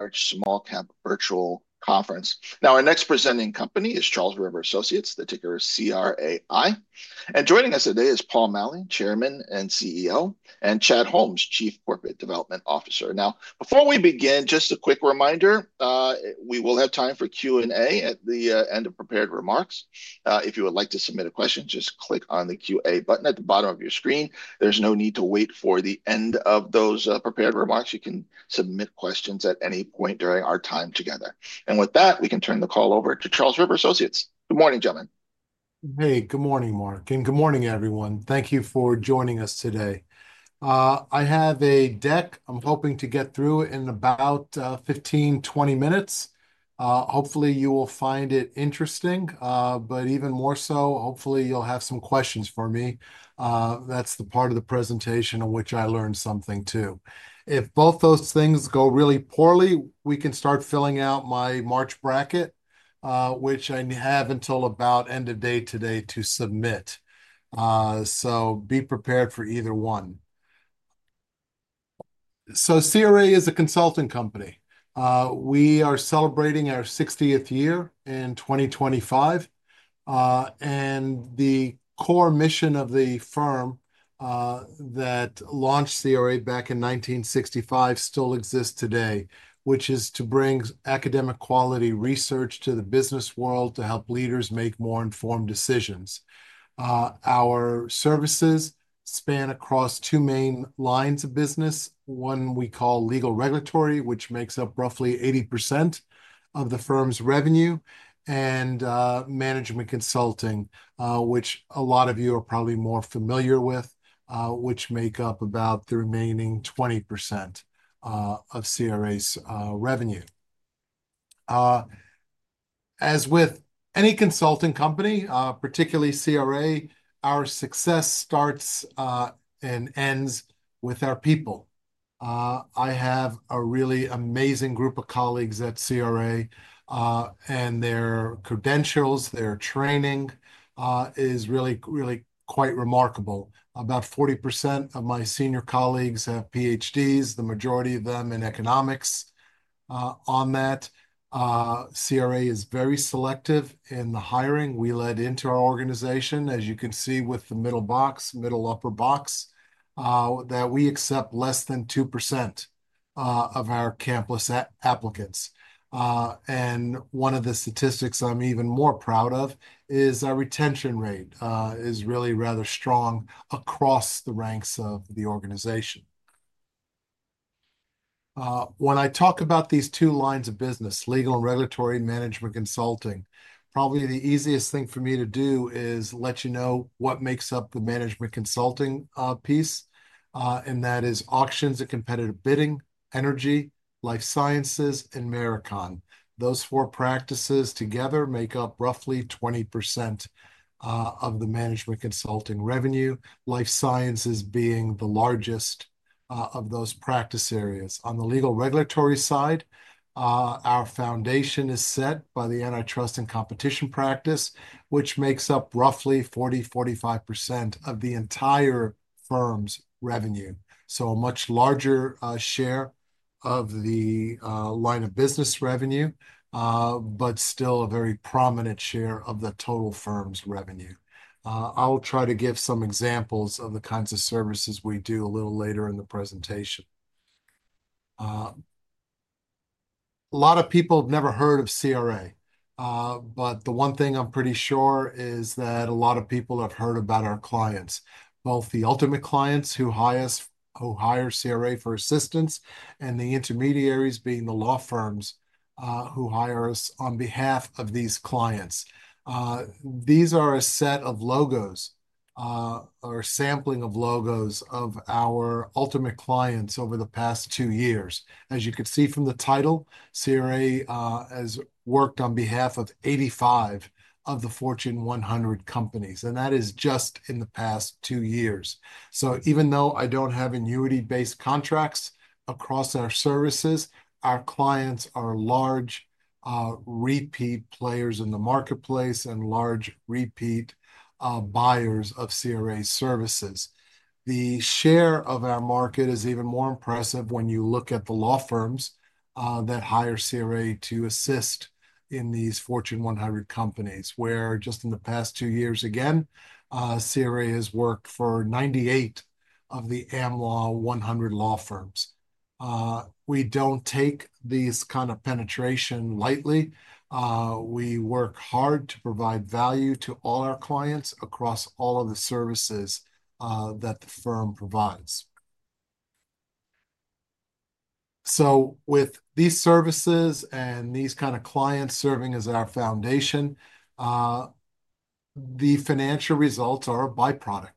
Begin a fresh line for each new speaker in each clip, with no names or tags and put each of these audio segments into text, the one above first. Large small cap virtual conference. Now, our next presenting company is Charles River Associates, the ticker CRAI. Joining us today is Paul Maleh, Chairman and CEO, and Chad Holmes, Chief Corporate Development Officer. Now, before we begin, just a quick reminder, we will have time for Q&A at the end of prepared remarks. If you would like to submit a question, just click on the Q&A button at the bottom of your screen. There is no need to wait for the end of those prepared remarks. You can submit questions at any point during our time together. With that, we can turn the call over to Charles River Associates. Good morning, gentlemen.
Hey, good morning, Mark, and good morning, everyone. Thank you for joining us today. I have a deck I'm hoping to get through in about 15-20 minutes. Hopefully, you will find it interesting, but even more so, hopefully, you'll have some questions for me. That's the part of the presentation in which I learn something too. If both those things go really poorly, we can start filling out my March bracket, which I have until about end of day today to submit. Be prepared for either one. CRA is a consulting company. We are celebrating our 60th year in 2025. The core mission of the firm that launched CRA back in 1965 still exists today, which is to bring academic quality research to the business world to help leaders make more informed decisions. Our services span across two main lines of business. One we call legal regulatory, which makes up roughly 80% of the firm's revenue, and management consulting, which a lot of you are probably more familiar with, which make up about the remaining 20% of CRA's revenue. As with any consulting company, particularly CRA, our success starts and ends with our people. I have a really amazing group of colleagues at CRA, and their credentials, their training is really, really quite remarkable. About 40% of my senior colleagues have PhDs, the majority of them in economics on that. CRA is very selective in the hiring we let into our organization, as you can see with the middle box, middle upper box, that we accept less than 2% of our campus applicants. One of the statistics I'm even more proud of is our retention rate is really rather strong across the ranks of the organization. When I talk about these two lines of business, legal and regulatory management consulting, probably the easiest thing for me to do is let you know what makes up the management consulting piece, and that is auctions and competitive bidding, energy, life sciences, and Marakon. Those four practices together make up roughly 20% of the management consulting revenue, life sciences being the largest of those practice areas. On the legal regulatory side, our foundation is set by the antitrust and competition practice, which makes up roughly 40-45% of the entire firm's revenue. A much larger share of the line of business revenue, but still a very prominent share of the total firm's revenue. I'll try to give some examples of the kinds of services we do a little later in the presentation. A lot of people have never heard of CRA, but the one thing I'm pretty sure is that a lot of people have heard about our clients, both the ultimate clients who hire CRA for assistance and the intermediaries being the law firms who hire us on behalf of these clients. These are a set of logos or sampling of logos of our ultimate clients over the past two years. As you can see from the title, CRA has worked on behalf of 85 of the Fortune 100 companies, and that is just in the past two years. Even though I don't have annuity-based contracts across our services, our clients are large repeat players in the marketplace and large repeat buyers of CRA services. The share of our market is even more impressive when you look at the law firms that hire CRA to assist in these Fortune 100 companies, where just in the past two years, again, CRA has worked for 98 of the AmLaw 100 law firms. We don't take these kinds of penetration lightly. We work hard to provide value to all our clients across all of the services that the firm provides. With these services and these kinds of clients serving as our foundation, the financial results are a byproduct.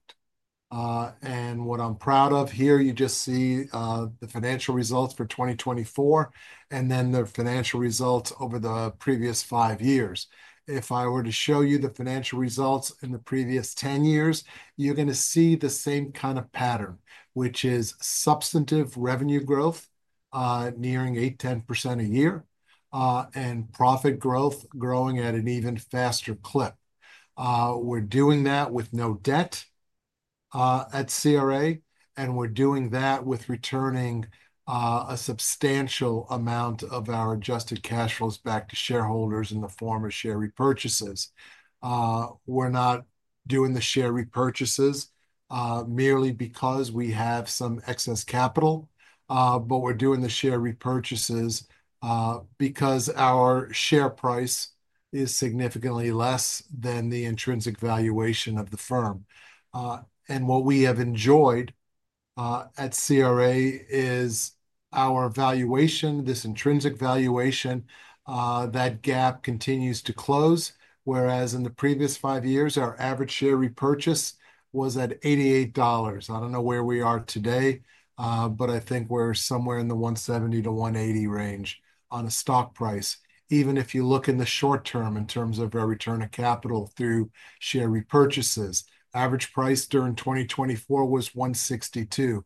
What I'm proud of here, you just see the financial results for 2024 and then the financial results over the previous five years. If I were to show you the financial results in the previous 10 years, you're going to see the same kind of pattern, which is substantive revenue growth nearing 8-10% a year and profit growth growing at an even faster clip. We're doing that with no debt at CRA, and we're doing that with returning a substantial amount of our adjusted cash flows back to shareholders in the form of share repurchases. We're not doing the share repurchases merely because we have some excess capital, but we're doing the share repurchases because our share price is significantly less than the intrinsic valuation of the firm. What we have enjoyed at CRA is our valuation, this intrinsic valuation, that gap continues to close, whereas in the previous five years, our average share repurchase was at $88. I don't know where we are today, but I think we're somewhere in the $170-$180 range on a stock price. Even if you look in the short term in terms of our return of capital through share repurchases, average price during 2024 was $162.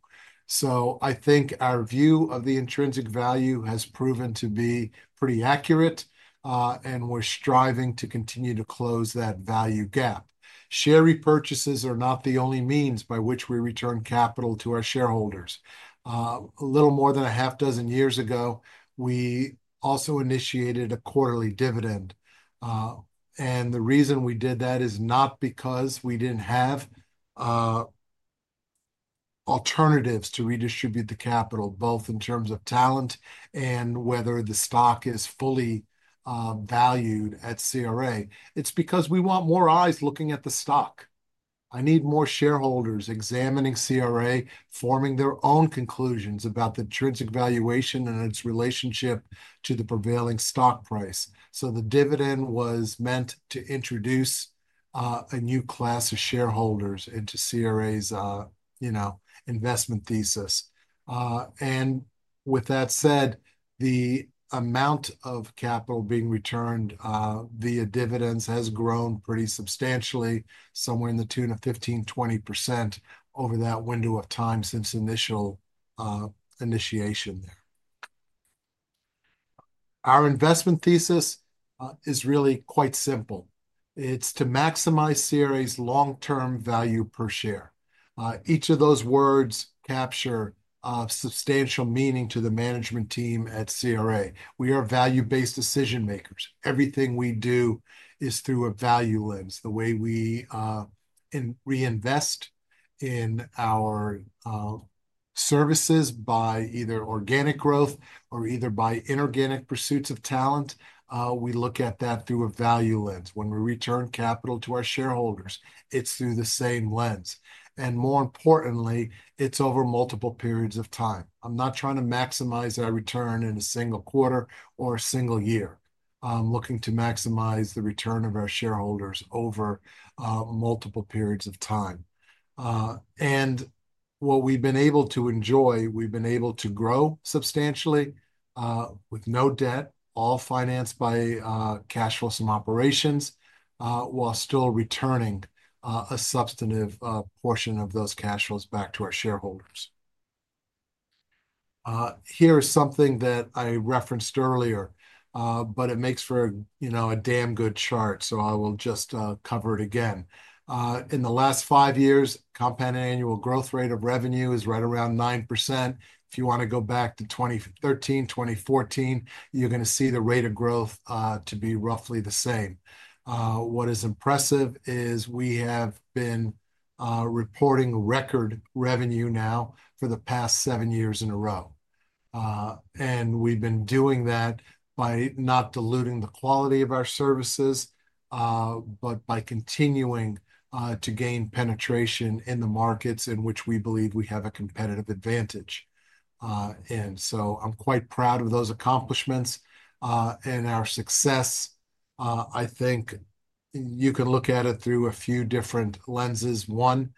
I think our view of the intrinsic value has proven to be pretty accurate, and we're striving to continue to close that value gap. Share repurchases are not the only means by which we return capital to our shareholders. A little more than a half dozen years ago, we also initiated a quarterly dividend. The reason we did that is not because we didn't have alternatives to redistribute the capital, both in terms of talent and whether the stock is fully valued at CRA. It's because we want more eyes looking at the stock. I need more shareholders examining CRA, forming their own conclusions about the intrinsic valuation and its relationship to the prevailing stock price. The dividend was meant to introduce a new class of shareholders into CRA's investment thesis. With that said, the amount of capital being returned via dividends has grown pretty substantially, somewhere in the tune of 15%-20% over that window of time since initial initiation there. Our investment thesis is really quite simple. It's to maximize CRA's long-term value per share. Each of those words captures substantial meaning to the management team at CRA. We are value-based decision makers. Everything we do is through a value lens. The way we reinvest in our services by either organic growth or either by inorganic pursuits of talent, we look at that through a value lens. When we return capital to our shareholders, it's through the same lens. More importantly, it's over multiple periods of time. I'm not trying to maximize our return in a single quarter or a single year. I'm looking to maximize the return of our shareholders over multiple periods of time. What we've been able to enjoy, we've been able to grow substantially with no debt, all financed by cash flows from operations, while still returning a substantive portion of those cash flows back to our shareholders. Here is something that I referenced earlier, but it makes for a damn good chart, so I will just cover it again. In the last five years, compound annual growth rate of revenue is right around 9%. If you want to go back to 2013, 2014, you're going to see the rate of growth to be roughly the same. What is impressive is we have been reporting record revenue now for the past seven years in a row. We have been doing that by not diluting the quality of our services, but by continuing to gain penetration in the markets in which we believe we have a competitive advantage. I am quite proud of those accomplishments and our success. I think you can look at it through a few different lenses. One,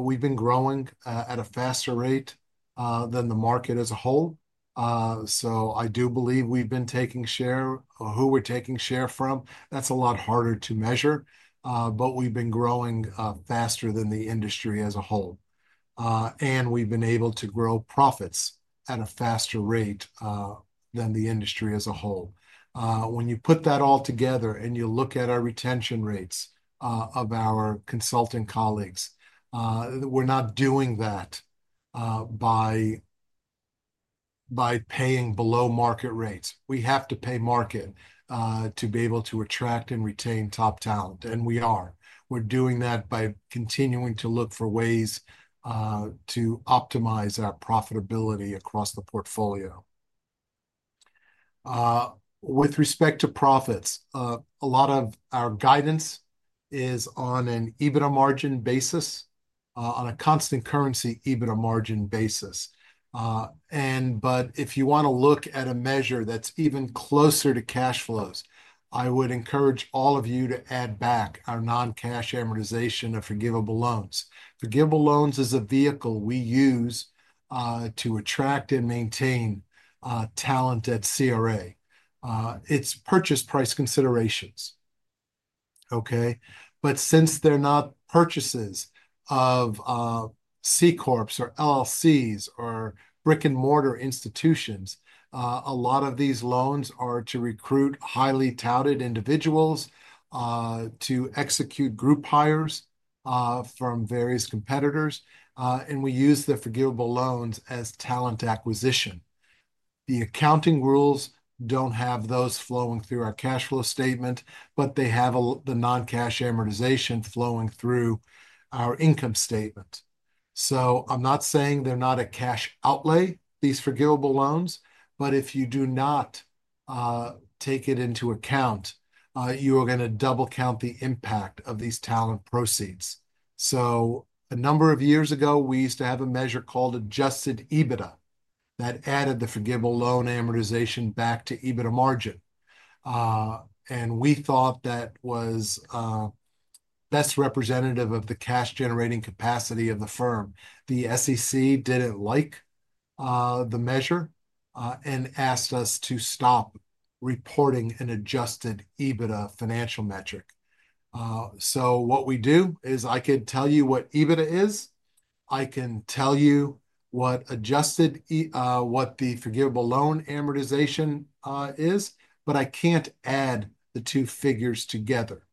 we have been growing at a faster rate than the market as a whole. I do believe we have been taking share or who we are taking share from. That is a lot harder to measure, but we have been growing faster than the industry as a whole. We have been able to grow profits at a faster rate than the industry as a whole. When you put that all together and you look at our retention rates of our consulting colleagues, we're not doing that by paying below market rates. We have to pay market to be able to attract and retain top talent, and we are. We're doing that by continuing to look for ways to optimize our profitability across the portfolio. With respect to profits, a lot of our guidance is on an EBITDA margin basis, on a constant currency EBITDA margin basis. If you want to look at a measure that's even closer to cash flows, I would encourage all of you to add back our non-cash amortization of forgivable loans. Forgivable loans is a vehicle we use to attract and maintain talent at CRA. It's purchase price considerations. Okay? Since they're not purchases of C Corps or LLCs or brick-and-mortar institutions, a lot of these loans are to recruit highly touted individuals to execute group hires from various competitors. We use the forgivable loans as talent acquisition. The accounting rules don't have those flowing through our cash flow statement, but they have the non-cash amortization flowing through our income statement. I'm not saying they're not a cash outlay, these forgivable loans, but if you do not take it into account, you are going to double count the impact of these talent proceeds. A number of years ago, we used to have a measure called adjusted EBITDA that added the forgivable loan amortization back to EBITDA margin. We thought that was best representative of the cash-generating capacity of the firm. The SEC didn't like the measure and asked us to stop reporting an adjusted EBITDA financial metric. What we do is I could tell you what EBITDA is. I can tell you what the forgivable loan amortization is, but I can't add the two figures together.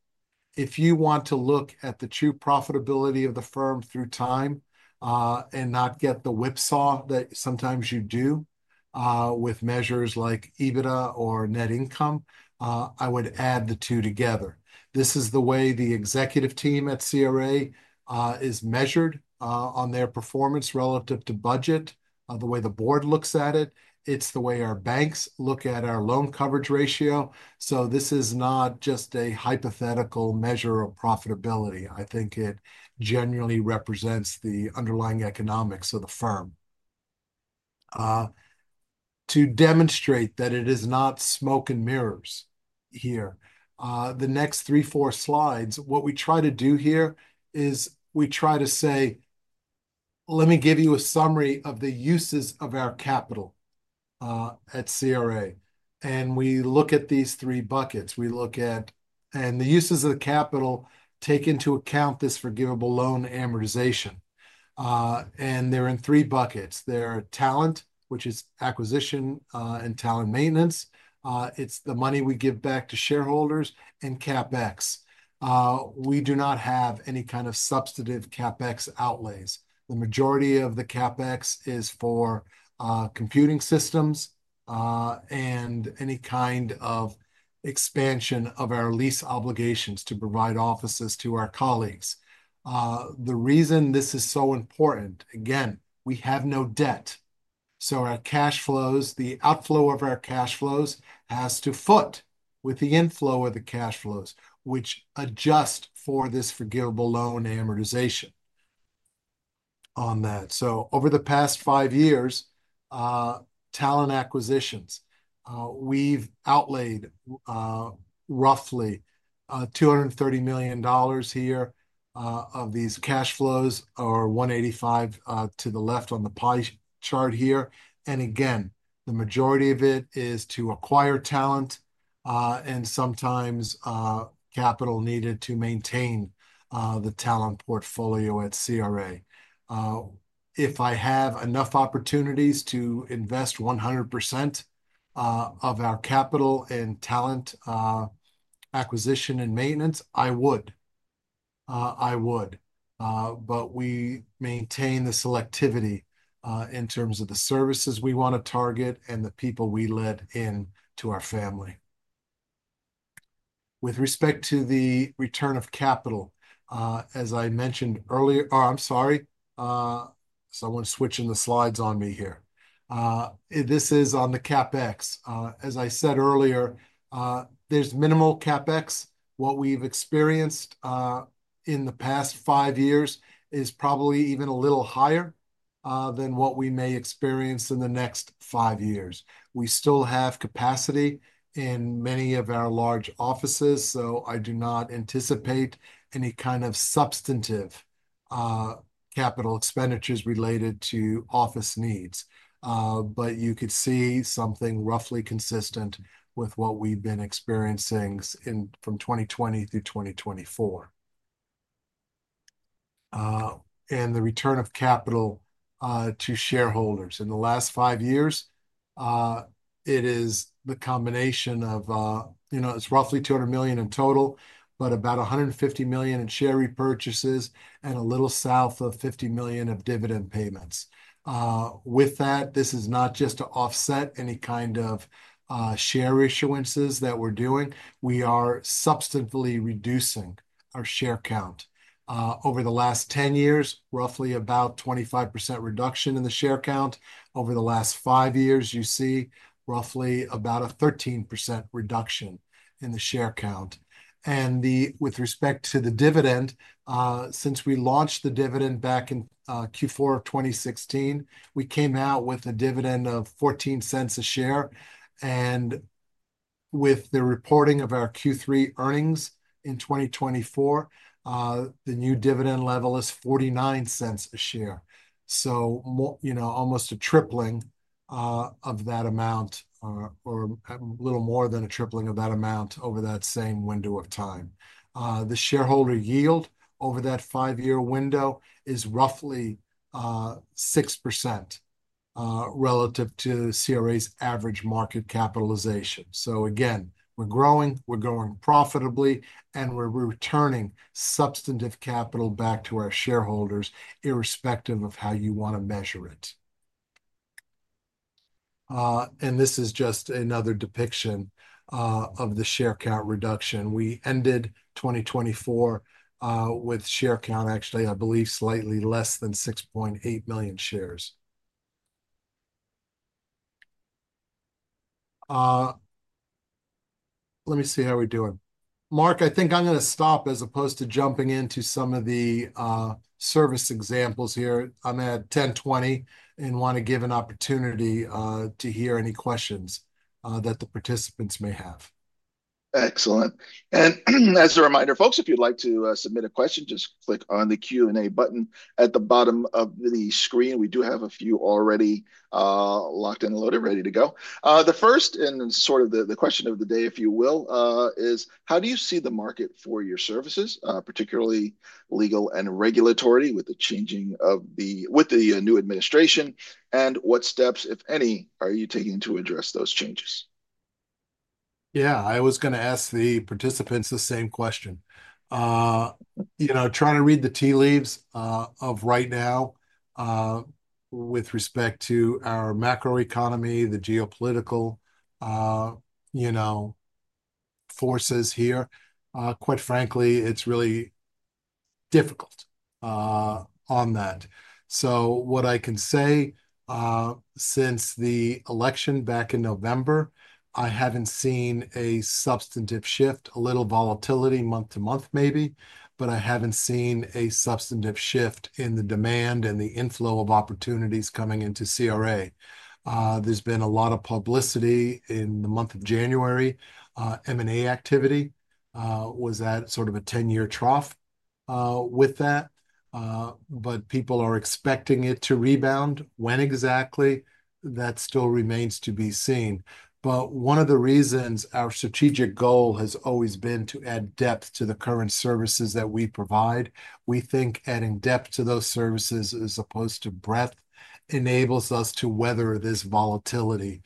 If you want to look at the true profitability of the firm through time and not get the whipsaw that sometimes you do with measures like EBITDA or net income, I would add the two together. This is the way the executive team at CRA is measured on their performance relative to budget, the way the board looks at it. It's the way our banks look at our loan coverage ratio. This is not just a hypothetical measure of profitability. I think it generally represents the underlying economics of the firm. To demonstrate that it is not smoke and mirrors here, the next three, four slides, what we try to do here is we try to say, "Let me give you a summary of the uses of our capital at CRA." We look at these three buckets. We look at, and the uses of the capital take into account this forgivable loan amortization. They are in three buckets. They are talent, which is acquisition and talent maintenance. It is the money we give back to shareholders and CapEx. We do not have any kind of substantive CapEx outlays. The majority of the CapEx is for computing systems and any kind of expansion of our lease obligations to provide offices to our colleagues. The reason this is so important, again, we have no debt. Our cash flows, the outflow of our cash flows has to foot with the inflow of the cash flows, which adjust for this forgivable loan amortization on that. Over the past five years, talent acquisitions, we've outlaid roughly $230 million here of these cash flows or $185 million to the left on the pie chart here. Again, the majority of it is to acquire talent and sometimes capital needed to maintain the talent portfolio at CRA. If I have enough opportunities to invest 100% of our capital in talent acquisition and maintenance, I would. I would. We maintain the selectivity in terms of the services we want to target and the people we let into our family. With respect to the return of capital, as I mentioned earlier, or I'm sorry, someone switching the slides on me here. This is on the CapEx. As I said earlier, there's minimal CapEx. What we've experienced in the past five years is probably even a little higher than what we may experience in the next five years. We still have capacity in many of our large offices, so I do not anticipate any kind of substantive capital expenditures related to office needs. You could see something roughly consistent with what we've been experiencing from 2020 through 2024. The return of capital to shareholders in the last five years, it is the combination of, it's roughly $200 million in total, but about $150 million in share repurchases and a little south of $50 million of dividend payments. With that, this is not just to offset any kind of share issuances that we're doing. We are substantively reducing our share count. Over the last 10 years, roughly about 25% reduction in the share count. Over the last five years, you see roughly about a 13% reduction in the share count. With respect to the dividend, since we launched the dividend back in Q4 of 2016, we came out with a dividend of $0.14 a share. With the reporting of our Q3 earnings in 2024, the new dividend level is $0.49 a share. Almost a tripling of that amount or a little more than a tripling of that amount over that same window of time. The shareholder yield over that five-year window is roughly 6% relative to CRA's average market capitalization. We are growing, we are growing profitably, and we are returning substantive capital back to our shareholders, irrespective of how you want to measure it. This is just another depiction of the share count reduction. We ended 2024 with share count, actually, I believe, slightly less than 6.8 million shares. Let me see how we're doing. Mark, I think I'm going to stop as opposed to jumping into some of the service examples here. I'm at 10:20 and want to give an opportunity to hear any questions that the participants may have.
Excellent. As a reminder, folks, if you'd like to submit a question, just click on the Q&A button at the bottom of the screen. We do have a few already locked and loaded, ready to go. The first and sort of the question of the day, if you will, is how do you see the market for your services, particularly legal and regulatory, with the changing of the new administration? What steps, if any, are you taking to address those changes?
Yeah, I was going to ask the participants the same question. Trying to read the tea leaves of right now with respect to our macroeconomy, the geopolitical forces here. Quite frankly, it's really difficult on that. What I can say, since the election back in November, I haven't seen a substantive shift, a little volatility month to month maybe, but I haven't seen a substantive shift in the demand and the inflow of opportunities coming into CRA. There's been a lot of publicity in the month of January. M&A activity was at sort of a 10-year trough with that. People are expecting it to rebound. When exactly, that still remains to be seen. One of the reasons our strategic goal has always been to add depth to the current services that we provide. We think adding depth to those services as opposed to breadth enables us to weather this volatility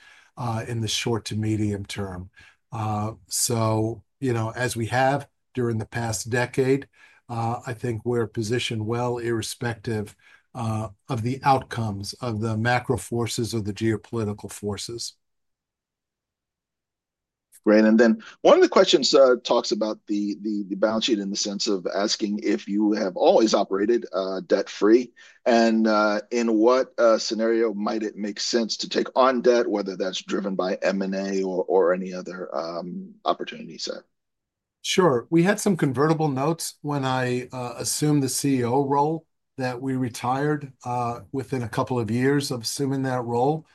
in the short to medium term. As we have during the past decade, I think we're positioned well, irrespective of the outcomes of the macro forces or the geopolitical forces. Great. One of the questions talks about the balance sheet in the sense of asking if you have always operated debt-free. In what scenario might it make sense to take on debt, whether that's driven by M&A or any other opportunities? Sure. We had some convertible notes when I assumed the CEO role that we retired within a couple of years of assuming that role.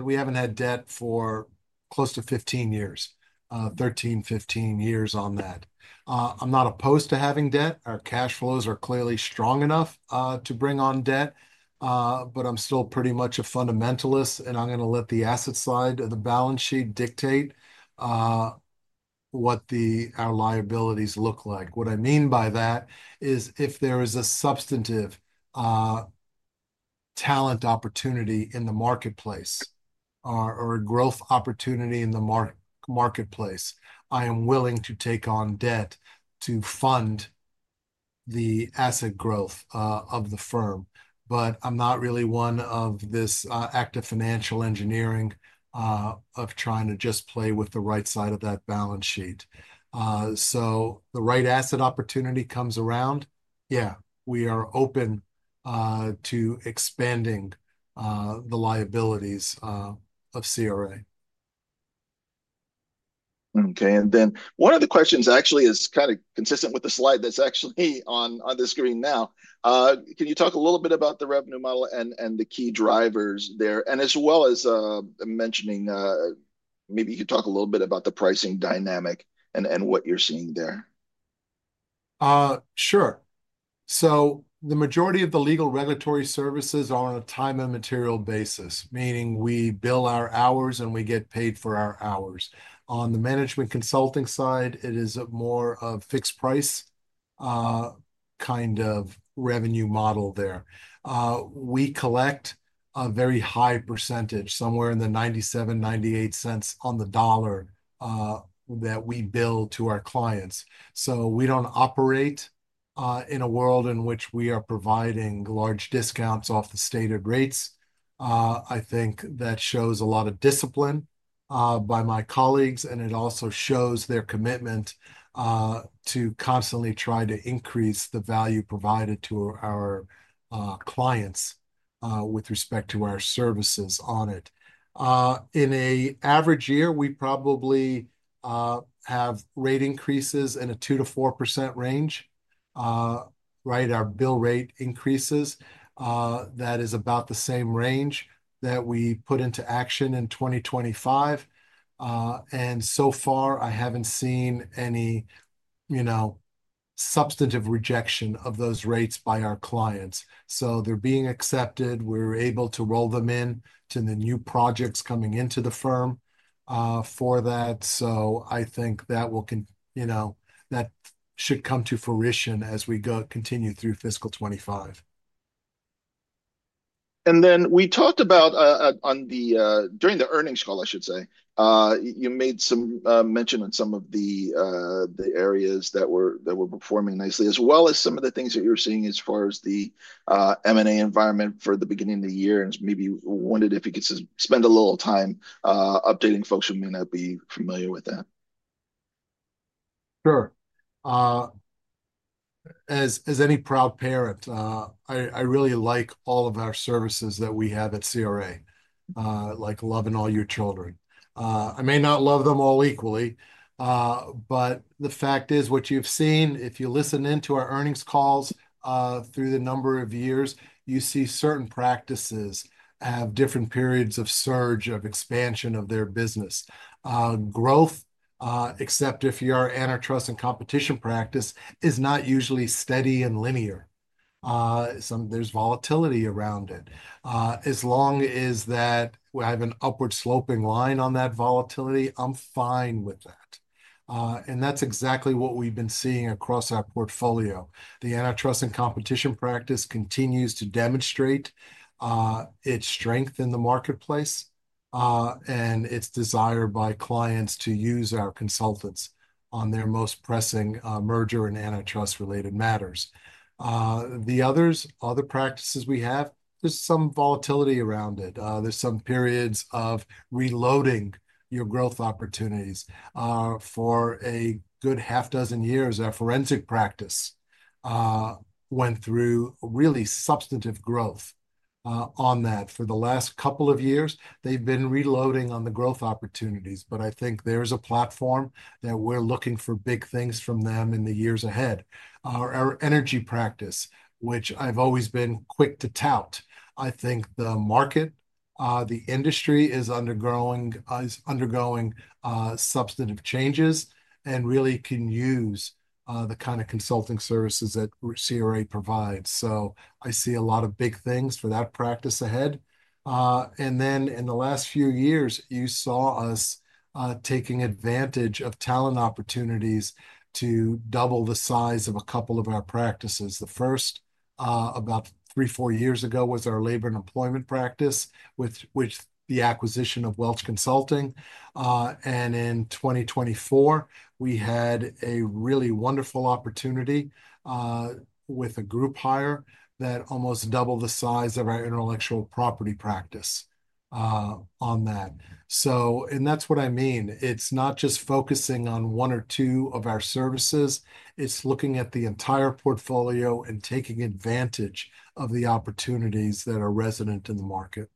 We haven't had debt for close to 15 years, 13-15 years on that. I'm not opposed to having debt. Our cash flows are clearly strong enough to bring on debt. I'm still pretty much a fundamentalist, and I'm going to let the asset side of the balance sheet dictate what our liabilities look like. What I mean by that is if there is a substantive talent opportunity in the marketplace or a growth opportunity in the marketplace, I am willing to take on debt to fund the asset growth of the firm. I'm not really one of this active financial engineering of trying to just play with the right side of that balance sheet. If the right asset opportunity comes around, yeah, we are open to expanding the liabilities of CRA.
Okay. One of the questions actually is kind of consistent with the slide that's actually on the screen now. Can you talk a little bit about the revenue model and the key drivers there? As well as mentioning, maybe you could talk a little bit about the pricing dynamic and what you're seeing there.
Sure. The majority of the legal regulatory services are on a time and material basis, meaning we bill our hours and we get paid for our hours. On the management consulting side, it is more of a fixed price kind of revenue model there. We collect a very high percentage, somewhere in the 97%-98% on the dollar that we bill to our clients. We do not operate in a world in which we are providing large discounts off the stated rates. I think that shows a lot of discipline by my colleagues, and it also shows their commitment to constantly try to increase the value provided to our clients with respect to our services on it. In an average year, we probably have rate increases in a 2-4% range, right? Our bill rate increases. That is about the same range that we put into action in 2025. So far, I haven't seen any substantive rejection of those rates by our clients. They're being accepted. We're able to roll them into the new projects coming into the firm for that. I think that should come to fruition as we continue through fiscal 2025. We talked about during the earnings call, I should say, you made some mention of some of the areas that were performing nicely, as well as some of the things that you're seeing as far as the M&A environment for the beginning of the year. Maybe wondered if you could spend a little time updating folks who may not be familiar with that. Sure. As any proud parent, I really like all of our services that we have at CRA, like love and all your children. I may not love them all equally, but the fact is what you've seen, if you listen into our earnings calls through the number of years, you see certain practices have different periods of surge of expansion of their business. Growth, except if you're an antitrust and competition practice, is not usually steady and linear. There's volatility around it. As long as that we have an upward sloping line on that volatility, I'm fine with that. That's exactly what we've been seeing across our portfolio. The antitrust and competition practice continues to demonstrate its strength in the marketplace and its desire by clients to use our consultants on their most pressing merger and antitrust-related matters. The other practices we have, there's some volatility around it. There's some periods of reloading your growth opportunities. For a good half dozen years, our forensic practice went through really substantive growth on that. For the last couple of years, they've been reloading on the growth opportunities. I think there's a platform that we're looking for big things from them in the years ahead. Our energy practice, which I've always been quick to tout, I think the market, the industry is undergoing substantive changes and really can use the kind of consulting services that CRA provides. I see a lot of big things for that practice ahead. In the last few years, you saw us taking advantage of talent opportunities to double the size of a couple of our practices. The first, about three, four years ago, was our labor and employment practice, which the acquisition of Welch Consulting. In 2024, we had a really wonderful opportunity with a group hire that almost doubled the size of our intellectual property practice on that. That is what I mean. It is not just focusing on one or two of our services. It is looking at the entire portfolio and taking advantage of the opportunities that are resonant in the market.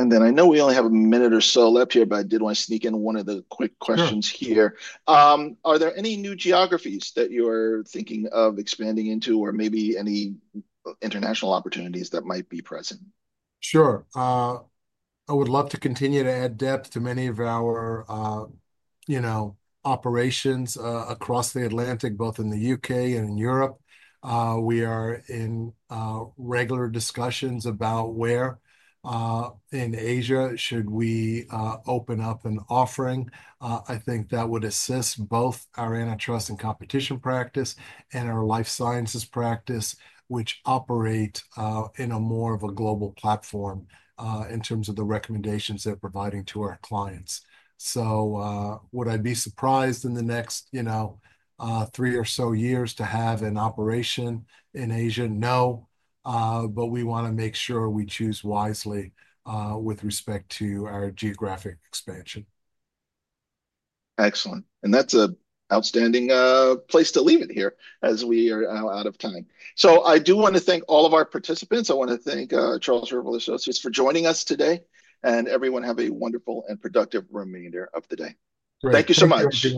I know we only have a minute or so left here, but I did want to sneak in one of the quick questions here. Are there any new geographies that you are thinking of expanding into or maybe any international opportunities that might be present?
Sure. I would love to continue to add depth to many of our operations across the Atlantic, both in the U.K. and in Europe. We are in regular discussions about where in Asia should we open up an offering. I think that would assist both our antitrust and competition practice and our life sciences practice, which operate in more of a global platform in terms of the recommendations they're providing to our clients. Would I be surprised in the next three or so years to have an operation in Asia? No. We want to make sure we choose wisely with respect to our geographic expansion.
Excellent. That's an outstanding place to leave it here as we are out of time. I do want to thank all of our participants. I want to thank Charles River Associates for joining us today. Everyone have a wonderful and productive remainder of the day. Thank you so much.